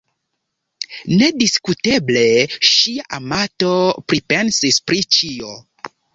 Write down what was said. Nediskuteble ŝia amato pripensis pri ĉio.